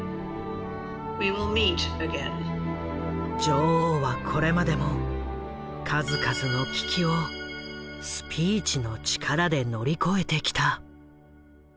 女王はこれまでも数々の危機を「スピーチの力」で乗り越えてきた。